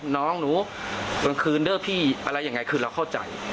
น้องหนูกลางคืนเด้อพี่อะไรยังไงคือเราเข้าใจ